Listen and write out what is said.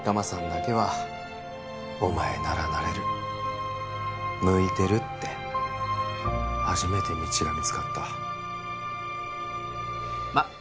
さんだけは「お前ならなれる向いてる」って初めて道が見つかったま